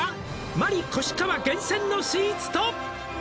「マリ・コシカワ厳選のスイーツと」